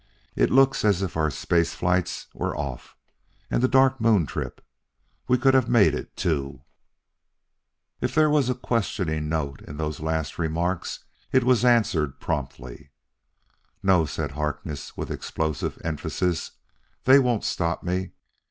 It looks as if our space flights were off. And the Dark Moon trip! We could have made it, too." If there was a questioning note in those last remarks it was answered promptly. "No!" said Harkness with explosive emphasis. "They won't stop me."